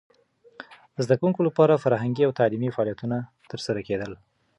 د زده کوونکو لپاره فرهنګي او تعلیمي فعالیتونه ترسره کېدل.